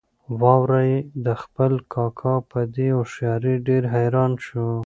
وراره یې د خپل کاکا په دې هوښیارۍ ډېر حیران شو.